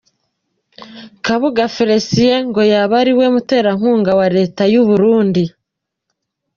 Kabuga Felicien ngo yaba ariwe muterankunga wa Leta y’u Burundi